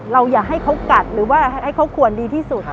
อย่าให้เขากัดหรือว่าให้เขาควรดีที่สุด